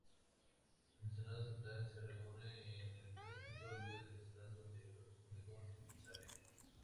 El Senado Estatal se reúne en el Capitolio del Estado de Oregón en Salem.